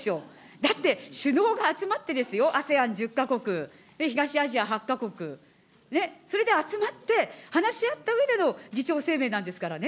だって、首脳が集まってですよ、ＡＳＥＡＮ１０か国、東アジア８か国、それで集まって、話し合ったうえでの議長声明なんですからね。